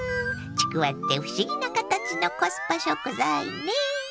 ちくわって不思議な形のコスパ食材ね。